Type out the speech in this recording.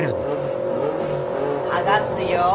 剥がすよ。